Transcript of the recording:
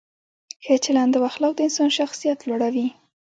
ښه چلند او اخلاق د انسان شخصیت لوړوي.